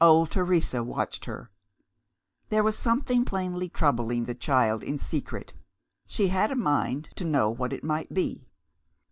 Old Teresa watched her. There was something plainly troubling the child in secret; she had a mind to know what it might be.